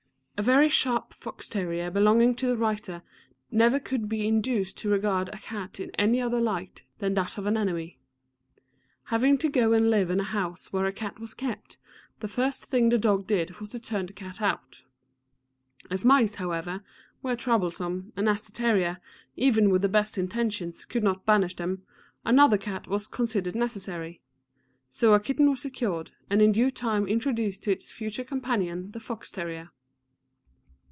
A very sharp fox terrier belonging to the writer never could be induced to regard a cat in any other light than that of an enemy. Having to go and live in a house where a cat was kept, the first thing the dog did was to turn the cat out. As mice, however, were troublesome, and as the terrier, even with the best intentions, could not banish them, another cat was considered necessary; so a kitten was secured, and in due time introduced to its future companion the fox terrier.